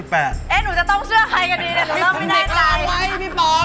คิดถึงเด็กเราเอาไว้พี่ป๋อง